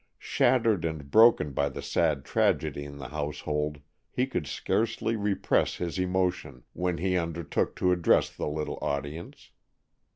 Shattered and broken by the sad tragedy in the household, he could scarcely repress his emotion when he undertook to address the little audience.